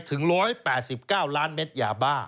ถึง๑๘๙ล้านเม็ดยาบ้า